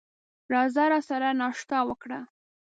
راځه راسره ناشته وکړه !